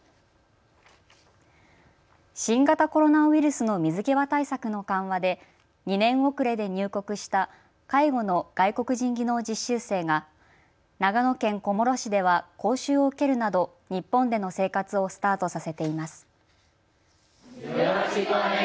新型コロナウイルスの水際対策の緩和で２年遅れで入国した介護の外国人技能実習生が長野県小諸市では講習を受けるなど日本での生活をスタートさせています。